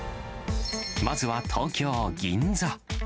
まずは東京・銀座。